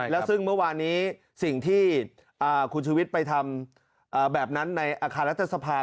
แล้วซึ่งเมื่อวานนี้สิ่งที่คุณชุวิตไปทำแบบนั้นในอาคารรัฐสภา